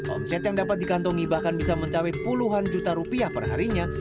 omset yang dapat dikantongi bahkan bisa mencapai puluhan juta rupiah perharinya